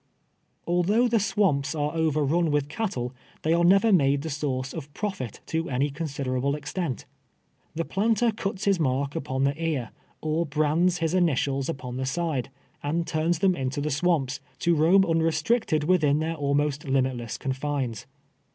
Although the swamps are overrun with cattle, they are never made the source of profit, to any considera ble extent. The planter cuts his mark upon the ear, or brands his initials upon the side, and turns them into the swamps, to roam unrestricted within their almost limitless confines.